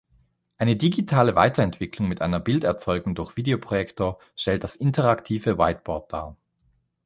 Eine digitale Weiterentwicklung mit einer Bilderzeugung durch Videoprojektor stellt das interaktive Whiteboard dar.